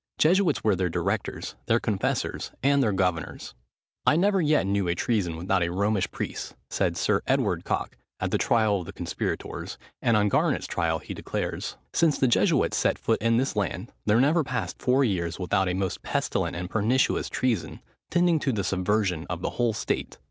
Jesuits were their directors, their confessors, and their governors. "I never yet knew a treason without a Romish priest," said Sir Edward Coke, at the trial of the conspirators; and on Garnet's trial he declares, "Since the Jesuits set foot in this land, there never passed four years without a most pestilent and pernicious treason, tending to the subversion of the whole state."